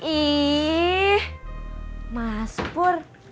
ih mas pur